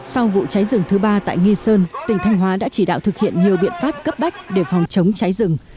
sau vụ cháy rừng thứ ba tại nghi sơn tỉnh thanh hóa đã chỉ đạo thực hiện nhiều biện pháp cấp bách để phòng chống cháy rừng